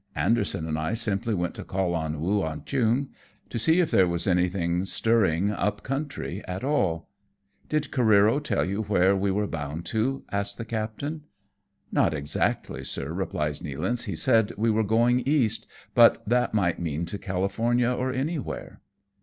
Anderson and I simply went to call on Woo Ah Cheong, to see if there was anything stirring up country at all." " Did Careero tell you where we were bound to ?" asks the captain. " Not exactly, sir/' replies Nealance ;" he said we were going East, but that might mean to California or anywhere."